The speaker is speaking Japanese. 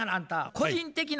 個人的な？